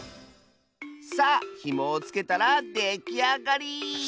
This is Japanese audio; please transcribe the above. さあひもをつけたらできあがり！